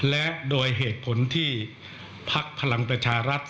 และโดยเหตุผลที่พักพลังประชารัฐ